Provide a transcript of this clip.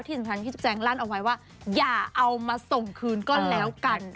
ที่สำคัญพี่แจงลั่นเอาไว้ว่าอย่าเอามาส่งคืนก็แล้วกัน